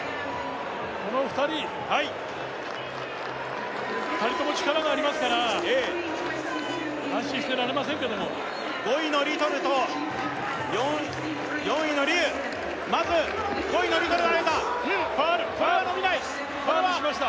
この２人はい２人とも力がありますからええ安心してられませんけども５位のリトルと４位の劉まず５位のリトルが出たファウルファウルファウルしました